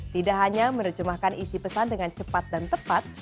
tidak hanya menerjemahkan isi pesan dengan cepat dan tepat